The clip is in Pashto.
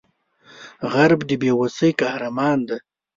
غریب د بې وسۍ قهرمان دی